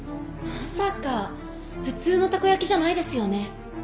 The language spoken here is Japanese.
まさか普通のたこやきじゃないですよね？